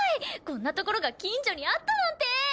こんな所が近所にあったなんて！